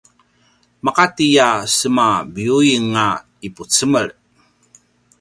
maqati a sema biyuing a ipucemel